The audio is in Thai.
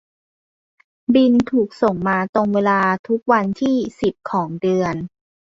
บิลถูกส่งมาตรงเวลาทุกวันที่สิบของเดือน